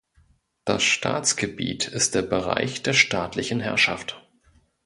Das Staatsgebiet ist der Bereich der staatlichen Herrschaft.